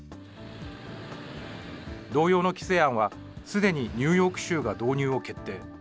同様の規制案はすでにニューヨーク州が導入を決定。